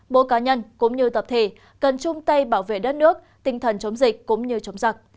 mỗi cá nhân cũng như tập thể cần chung tay bảo vệ đất nước tinh thần chống dịch cũng như chống giặc